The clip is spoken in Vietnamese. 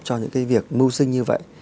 cho những cái việc mưu sinh như vậy